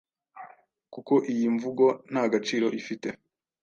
Kuko iyi mvugo nta gaciro ifite.